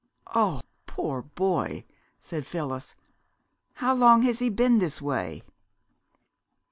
"Oh, poor boy!" said Phyllis. "How long has he been this way?"